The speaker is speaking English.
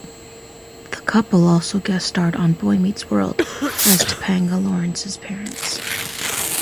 The couple also guest starred on "Boy Meets World" as Topanga Lawrence's parents.